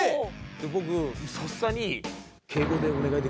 僕とっさに。